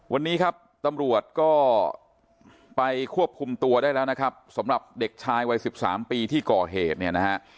วันนี้ครับตำรวจก็ไปควบคุมตัวได้แล้วนะครับสำหรับเด็กชายวัย๑๓ปีที่ก่อเหตุเนี่ยนะฮะ